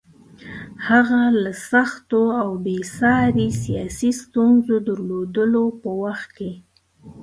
هغه له سختو او بې ساري سیاسي ستونزو درلودلو په وخت کې.